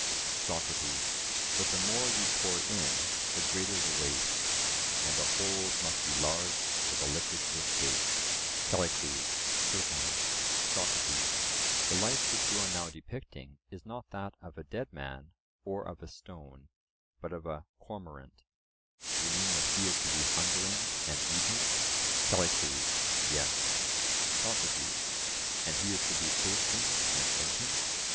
SOCRATES: But the more you pour in, the greater the waste; and the holes must be large for the liquid to escape. CALLICLES: Certainly. SOCRATES: The life which you are now depicting is not that of a dead man, or of a stone, but of a cormorant; you mean that he is to be hungering and eating? CALLICLES: Yes. SOCRATES: And he is to be thirsting and drinking?